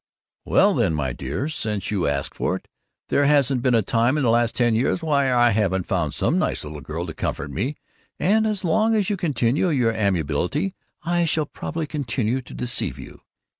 "Well, then, my dear, since you ask for it There hasn't been a time in the last ten years when I haven't found some nice little girl to comfort me, and as long as you continue your amiability I shall probably continue to deceive you.